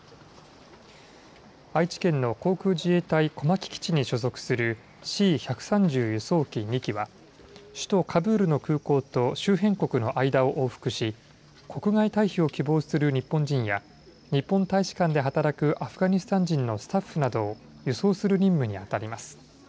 愛知県の航空自衛隊小牧基地に所属するＣ１３０輸送機２機は首都カブールの空港と周辺国の間を往復し国外退避を希望する日本人や日本大使館で働くアフガニスタン人のスタッフなどを輸送する任務にあたります。